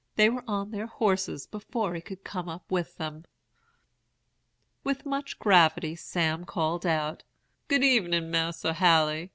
They were on their horses before he could come up with them. "With much gravity Sam called out: 'Good evening, Mas'r Haley.